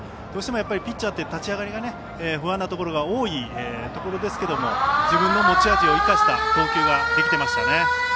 どうしてもピッチャーって立ち上がりが不安なところが多いところですけども自分の持ち味を生かした投球ができていましたね。